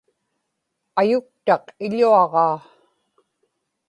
ayuktaq iḷuaġaa